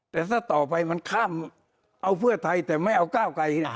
แต่ถ้าต่อไปมันข้ามเอาเพื่อไทยแต่ไม่เอาก้าวไกลนะ